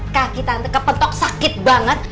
kaki tante kepetok sakit banget